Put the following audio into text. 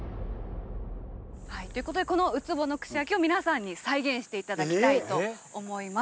ということでこのウツボの串焼きを皆さんに再現して頂きたいと思います。